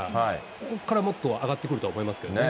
ここからもっと上がってくるとは思いますけどね。